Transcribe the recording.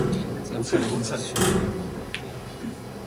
The film was shot in Philadelphia.